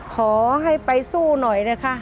ขอให้ไปสู้หน่อยนะคะ